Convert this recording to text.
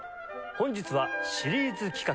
本日はシリーズ企画。